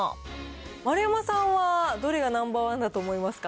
丸山さんはどれがナンバーワンだと思いますか？